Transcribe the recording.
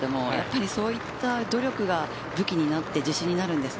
そういう努力が武器になって自信になるんです。